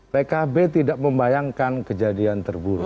pkb tidak membayangkan kejadian terburuk